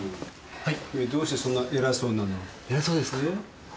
はい。